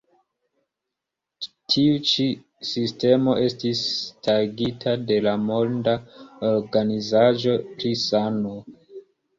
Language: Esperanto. Tiu ĉi sistemo estis starigita de la Monda Organizaĵo pri Sano.